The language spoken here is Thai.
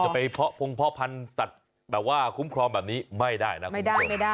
ไปเพาะพงพ่อพันธุ์สัตว์แบบว่าคุ้มครองแบบนี้ไม่ได้นะคุณผู้ชน